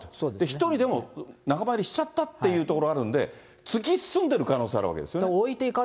１人でも仲間入りしちゃったっていうところあるんで、突き進んでる可能性あるわけですね。